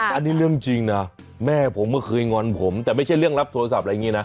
อันนี้เรื่องจริงนะแม่ผมก็เคยงอนผมแต่ไม่ใช่เรื่องรับโทรศัพท์อะไรอย่างนี้นะ